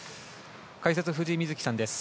解説、藤井瑞希さんです。